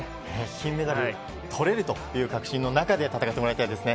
金メダル取れるという確信の中で戦ってもらいたいですね。